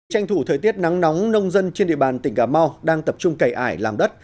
tranh thủ thời tiết nắng nóng nông dân trên địa bàn tỉnh cà mau đang tập trung cày ải làm đất